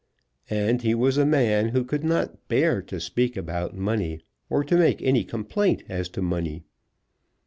And he was a man who could not bear to speak about money, or to make any complaint as to money.